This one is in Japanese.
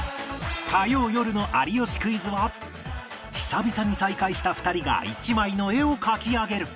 火曜よるの『有吉クイズ』は久々に再会した２人が１枚の絵を描き上げる